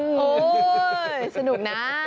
โอ้โหสนุกนะ